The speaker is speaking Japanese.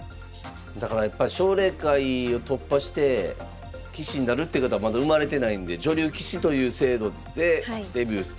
だからやっぱ奨励会を突破して棋士になるっていう方まだ生まれてないんで女流棋士という制度でデビューできるっていうのはすばらしいですね。